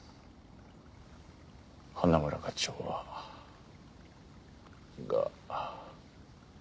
花村課長はが。